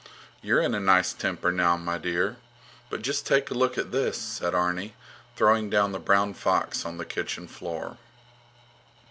You're in a nice temper now, my dear. But just take a look at this, said Arni, throwing down the brown fox on the kitchen floor.